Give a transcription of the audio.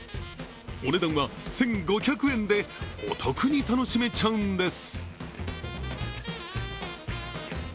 お値段は１５００円でお得に楽しめちゃうんです。